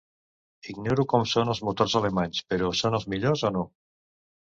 Ignoro com són els motors alemanys, però són els millors o no?